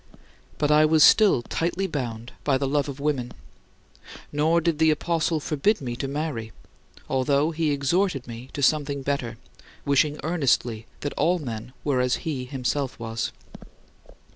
But I was still tightly bound by the love of women; nor did the apostle forbid me to marry, although he exhorted me to something better, wishing earnestly that all men were as he himself was.